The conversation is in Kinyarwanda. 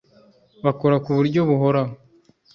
bakora ku buryo buhoraho